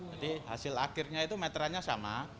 jadi hasil akhirnya itu meterannya sama